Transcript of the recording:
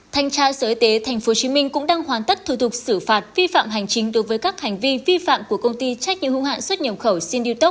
thanh tra sở y tế tp hcm cũng đang hoàn tất thủ tục xử phạt vi phạm hành chính đối với các hành vi vi phạm của công ty trách nhiệm hữu hạn xuất nhập khẩu sindiotok